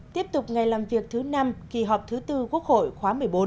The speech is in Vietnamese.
tiếp tục ngày làm việc thứ năm kỳ họp thứ tư quốc hội khóa một mươi bốn